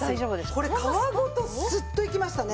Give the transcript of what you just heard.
これ皮ごとスッといきましたね。